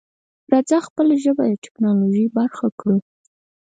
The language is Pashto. راځه خپله ژبه د ټکنالوژۍ برخه کړو.